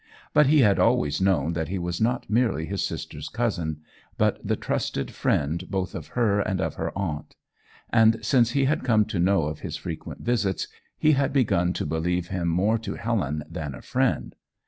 But he had always known that he was not merely his sister's cousin, but the trusted friend both of her and of her aunt; and since he had come to know of his frequent visits, he had begun to believe him more to Helen than a friend.